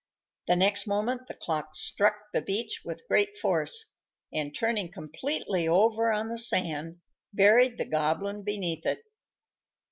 The next moment the clock struck the beach with great force, and, turning completely over on the sand, buried the Goblin beneath it.